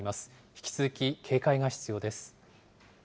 引き続き警戒が必要です。